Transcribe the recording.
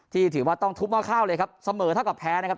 ที่ถือว่าต้องทุบหม้อข้าวเลยครับเสมอเท่ากับแพ้นะครับ